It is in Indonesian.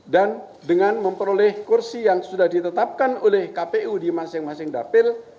dan dengan memperoleh kursi yang sudah ditetapkan oleh kpu di masing masing dapil